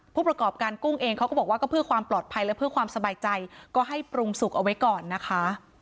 ผู้ประกอบการกุ้งเองเขาก็บอกว่าก็เพื่อความปลอดภัยและเพื่อความสบายใจก็ให้ปรุงสุกเอาไว้ก่อนนะคะ